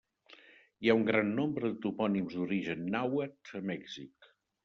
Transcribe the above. Hi ha un gran nombre de topònims d'origen nàhuatl a Mèxic.